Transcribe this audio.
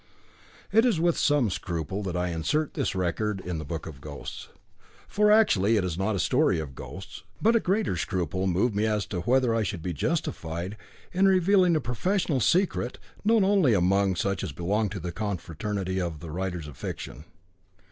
It is with some scruple that I insert this record in the Book of Ghosts, for actually it is not a story of ghosts. But a greater scruple moved me as to whether I should be justified in revealing a professional secret, known only among such as belong to the Confraternity of Writers of Fiction.